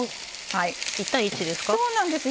１対１ですか。